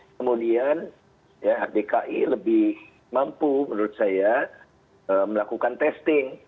kemudian hdki lebih mampu menurut saya melakukan testing